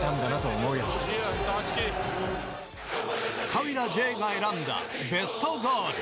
川平慈英が選んだベストゴール。